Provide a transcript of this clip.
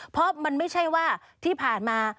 เพราะมันไม่ใช่ว่าที่ผ่านมา